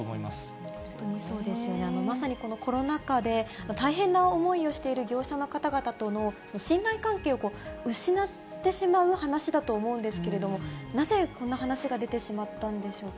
本当にそうですよね、まさにこのコロナ禍で大変な思いをしている業者の方々との信頼関係を失ってしまう話だと思うんですけれども、なぜこんな話が出てしまったんでしょうか。